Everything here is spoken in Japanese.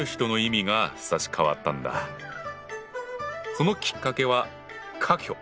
そのきっかけは「科挙」。